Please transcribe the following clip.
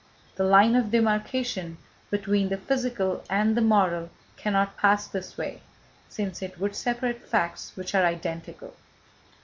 The line of demarcation between the physical and the moral cannot pass this way, since it would separate facts which are identical.